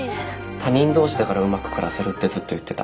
他人同士だからうまく暮らせるってずっと言ってた。